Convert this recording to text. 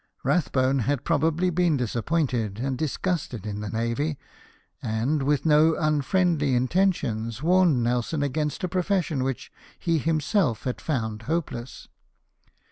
Rathbone had probably been disappointed and disgusted in the navy ; and, with no unfriendly intentions, warned Nelson against a profession which he himself had found hopeless.